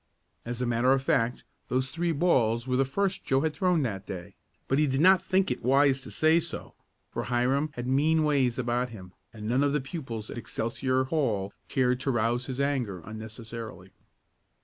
As a matter of fact, those three balls were the first Joe had thrown that day, but he did not think it wise to say so, for Hiram had mean ways about him, and none of the pupils at Excelsior Hall cared to rouse his anger unnecessarily.